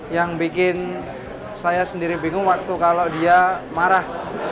yang bikin saya sendiri bingung waktu kalau dia marah